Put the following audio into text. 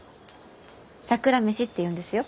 桜飯っていうんですよ。